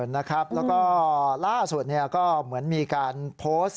แล้วก็ล่าสุดก็เหมือนมีการโพสต์